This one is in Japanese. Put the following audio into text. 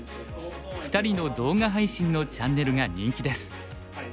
２人の動画配信のチャンネルが人気です。